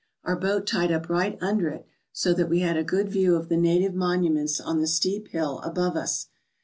Our boat tied up right under it, so that we had a good view of the native monuments on the steep hill above us.